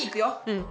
うん。